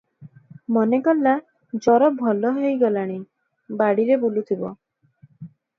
ମନେ କଲା, ଜର ଭଲ ହୋଇ ଗଲାଣି, ବାଡ଼ିରେ ବୁଲୁଥିବ ।